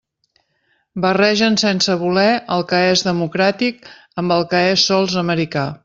Barregen sense voler el que és democràtic amb el que és sols americà.